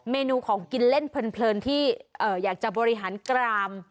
เมนูของกินเล่นเพลินที่อยากจะบริหารกราม